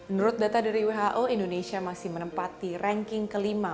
menurut data dari who indonesia masih menempati ranking kelima